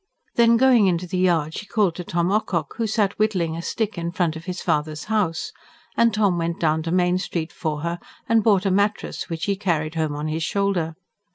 Then going into the yard, she called to Tom Ocock, who sat whittling a stick in front of his father's house; and Tom went down to Main Street for her, and bought a mattress which he carried home on his shoulder.